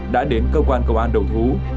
đã đến cơ quan cầu an đầu thú